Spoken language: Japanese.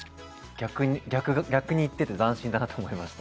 逆にいってて斬新だなと思います。